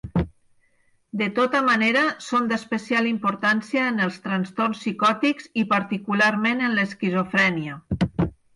De tota manera, són d'especial importància en els trastorns psicòtics i particularment en l'esquizofrènia.